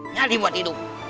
nyari buat hidup